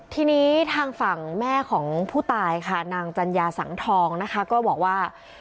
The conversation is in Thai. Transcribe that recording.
ทีนี้ทางฝั่งแม่ของผู้ตายค่ะนางจัญญาสังทองนะคะก็บอกว่า